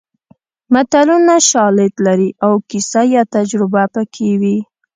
متلونه شالید لري او کیسه یا تجربه پکې وي